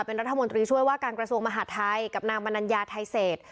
เป็นรัฐมนตรีช่วยว่าการกระทรวงมหาดไทยกับนางมนัญญาไทยเศษ